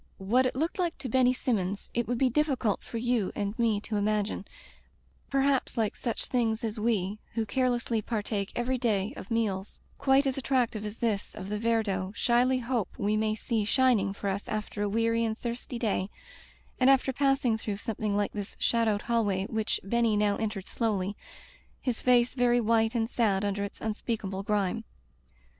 What it looked like to Benny Sinmions it would be difficult for you and me to unagine — perhaps like such things as we, who care lessly partake every day of meals quite as attractive as this of the Viardot, shyly hope we may see shining for us after a weary and thirsty day, and after passing through some thing like this shadowed hallway which Ben ny now entered slowly, his face very white and sad under its unspeakable grime.